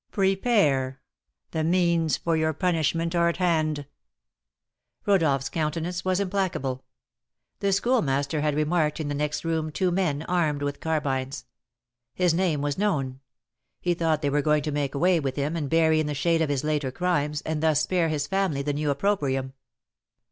Prepare, the means for your punishment are at hand." Rodolph's countenance was implacable. The Schoolmaster had remarked in the next room two men, armed with carbines. His name was known; he thought they were going to make away with him and bury in the shade his later crimes, and thus spare his family the new opprobrium.